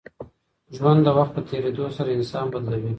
ژوند د وخت په تېرېدو سره انسان بدلوي.